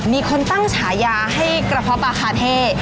มีคนตั้งฉายาให้กระเพาะปลาคาเท่